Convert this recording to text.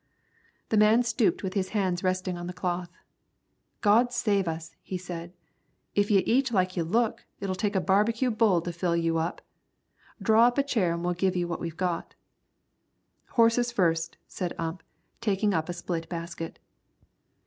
The man stopped with his hands resting on the cloth. "God save us!" he said, "if you eat like you look, it'll take a barbecue bull to fill you. Draw up a chair an' we'll give you what we've got." "Horses first," said Ump, taking up a split basket.